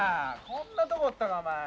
こんなとこおったかお前。